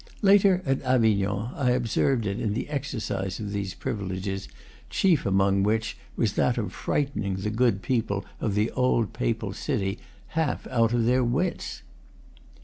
Later, at Avignon, I observed it in the exercise of these privileges, chief among which was that of frightening the good people of the old papal city half out of their wits.